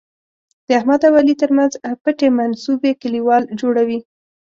د احمد او علي تر منځ پټې منصوبې کلیوال جوړوي.